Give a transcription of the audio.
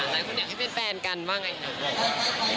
แต่คุณอยากให้เป็นแฟนกันว่าไง